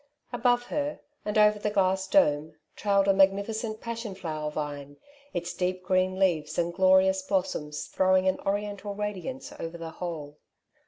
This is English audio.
Above her, and over the glass dome, trailed a magni ficent passion flower vine, its deep green leaves and glorious blossoms throwing an oriental radiance over the whole.